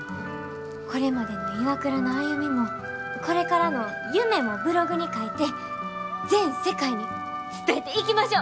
これまでのＩＷＡＫＵＲＡの歩みもこれからの夢もブログに書いて全世界に伝えていきましょう！